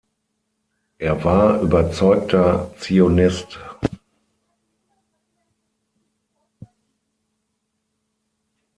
Er war überzeugter Zionist.